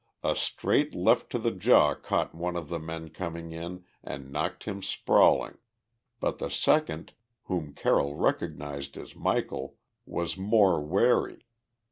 A straight left to the jaw caught one of the men coming in and knocked him sprawling, but the second, whom Carroll recognized as Michel, was more wary.